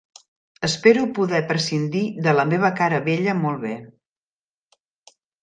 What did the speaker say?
Espero poder prescindir de la meva cara vella molt bé.